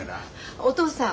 お義父さん。